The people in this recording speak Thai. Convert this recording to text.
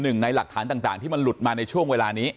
หนึ่งในหลักฐานต่างที่มันหลุดมาในช่วงเวลานี้